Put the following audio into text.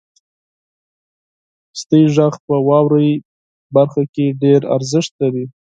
ستاسو غږ په واورئ برخه کې ډیر ارزښت لري.